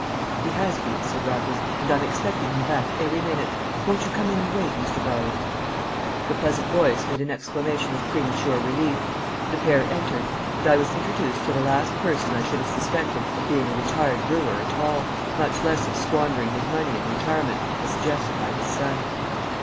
"He has been," said Raffles, "and I'm expecting him back every minute. Won't you come in and wait, Mr. Garland?" The pleasant voice made an exclamation of premature relief; the pair entered, and I was introduced to the last person I should have suspected of being a retired brewer at all, much less of squandering his money in retirement as suggested by his son.